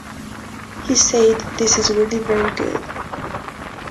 He said 'This is really very good.